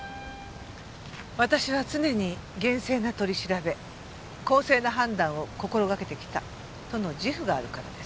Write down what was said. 私は常に厳正な取り調べ公正な判断を心がけてきたとの自負があるからです。